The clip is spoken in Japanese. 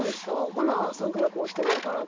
ほな三句目こうしてみようかなとか。